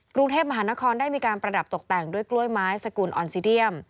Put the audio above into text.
กรุงเทพมหานครได้มีการประดับตกแต่งด้วยกล้วยไม้สกุลออนซิเดียม